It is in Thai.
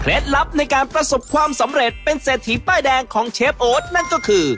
ลับในการประสบความสำเร็จเป็นเศรษฐีป้ายแดงของเชฟโอ๊ตนั่นก็คือ